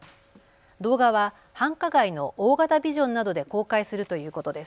動画は繁華街の大型ビジョンなどで公開するということです。